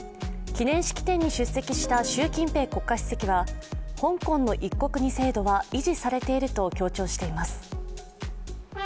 記念式典に出席した習近平国家主席は香港の一国二制度は維持されていると強調しています。